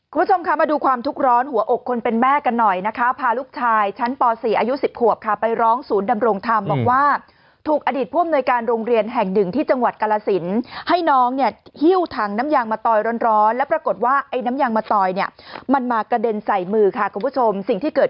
คุณผู้ชมค่ะมาดูความทุกข์ร้อนหัวอกคนเป็นแม่กันหน่อยนะคะพาลูกชายชั้นป๔อายุ๑๐ขวบค่ะไปร้องศูนย์ดำรงธรรมบอกว่าถูกอดีตผู้อำนวยการโรงเรียนแห่งหนึ่งที่จังหวัดกรสินให้น้องเนี่ยหิ้วถังน้ำยางมาตอยร้อนแล้วปรากฏว่าไอ้น้ำยางมะตอยเนี่ยมันมากระเด็นใส่มือค่ะคุณผู้ชมสิ่งที่เกิด